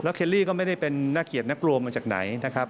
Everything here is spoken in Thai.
เคลลี่ก็ไม่ได้เป็นนักเกียรตินักกลัวมาจากไหนนะครับ